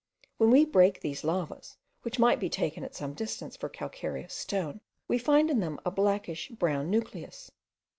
When we break these lavas, which might be taken at some distance for calcareous stone, we find in them a blackish brown nucleus.